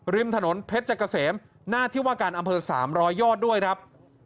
ริมถนนเพชรเกษมหน้าที่ว่าการอำเภอ๓๐๐ยอดด้วยครับ